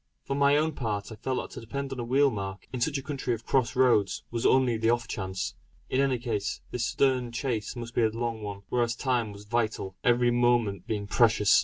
For my own part, I felt that to depend on a wheel mark, in such a country of cross roads, was only the off chance. In any case, this stern chase must be a long one; whereas time was vital, every moment being precious.